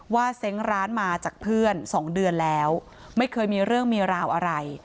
เซ้งร้านมาจากเพื่อนสองเดือนแล้วไม่เคยมีเรื่องมีราวอะไร